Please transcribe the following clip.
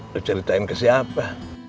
diceritain ke siapa